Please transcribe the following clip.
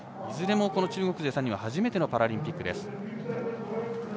いずれも中国勢３人は初めてのパラリンピックです。